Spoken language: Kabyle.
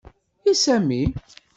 I Sami?